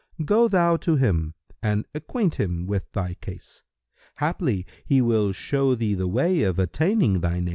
Go thou to him and acquaint him with thy case; haply he will show thee the way of attaining thine aim."